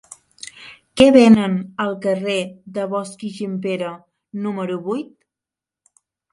Què venen al carrer de Bosch i Gimpera número vuit?